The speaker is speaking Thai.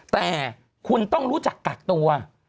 แต่คุณต้องรู้จักกักตัว